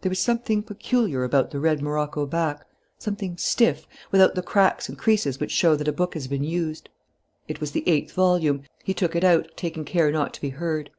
There was something peculiar about the red morocco back, something stiff, without the cracks and creases which show that a book has been used. It was the eighth volume. He took it out, taking care not to be heard.